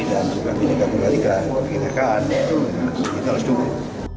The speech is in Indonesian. dan juga di negara negara kita kan ya kita harus cukup